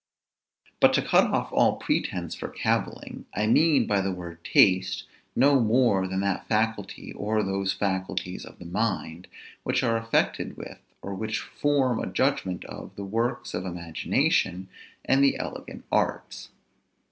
But to cut off all pretence for cavilling, I mean by the word taste, no more than that faculty or those faculties of the mind, which are affected with, or which form a judgment of, the works of imagination and the elegant arts.